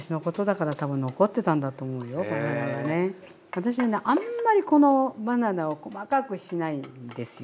私はねあんまりこのバナナを細かくしないんですよ。